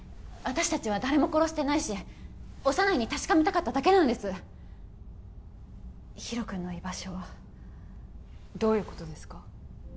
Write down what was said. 私達は誰も殺してないし小山内に確かめたかっただけなんです浩くんの居場所をどういうことですか？